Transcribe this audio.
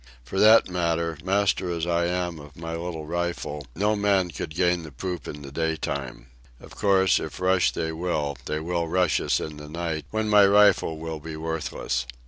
For that matter, master as I am of my little rifle, no man could gain the poop in the day time. Of course, if rush they will, they will rush us in the night, when my rifle will be worthless.